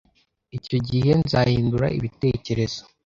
Icyo gihe, nzahindura ibitekerezo.